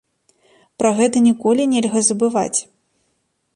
Пра гэта ніколі нельга забываць.